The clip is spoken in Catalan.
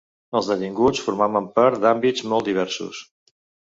Els detinguts formaven part d’àmbits molt diversos.